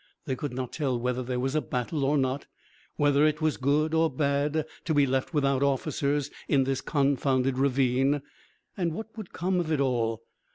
They could not tell whether there was a battle or not, whether it was good or bad to be left without officers in this confounded ravine, and what would come of it all.